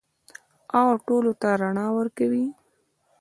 او ټولو ته رڼا ورکوي.